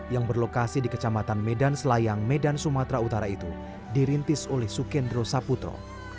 yang berlokasi di kecamatan medan selayang medan sumatera utara itu dirintis oleh sukendro saputro